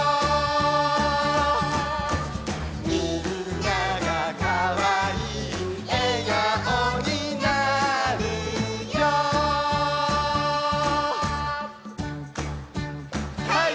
「みんながかわいいえがおになるよ」「ハイ！